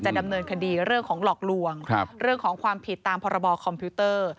ดำเนินคดีเรื่องของหลอกลวงเรื่องของความผิดตามพรบคอมพิวเตอร์